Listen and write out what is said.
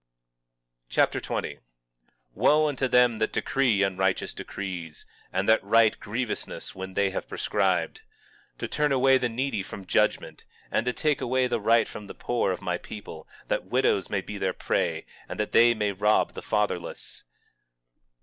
2 Nephi Chapter 20 20:1 Wo unto them that decree unrighteous decrees, and that write grievousness which they have prescribed; 20:2 To turn away the needy from judgment, and to take away the right from the poor of my people, that widows may be their prey, and that they may rob the fatherless!